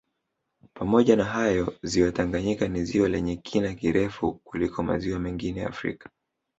Pamoja na hayo ziwa Tanganyika ni ziwa lenye kina kirefu kuliko maziwa mengine Afrika